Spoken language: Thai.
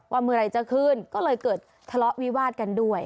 เมื่อไหร่จะขึ้นก็เลยเกิดทะเลาะวิวาดกันด้วย